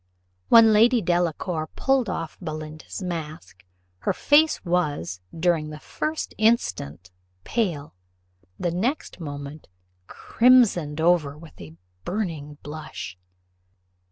When Lady Delacour pulled off Belinda's mask, her face was, during the first instant, pale; the next moment, crimsoned over with a burning blush.